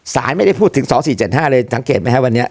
ไม่ได้พูดถึง๒๔๗๕เลยสังเกตไหมครับวันนี้